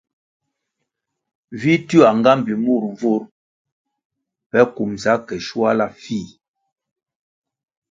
Vi tywia nga mbpi mur nvur pe kumbʼsa ke shuala fih.